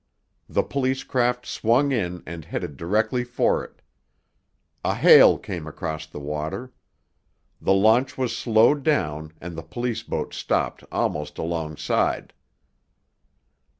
The police craft swung in and headed directly for it. A hail came across the water. The launch was slowed down and the police boat stopped almost alongside.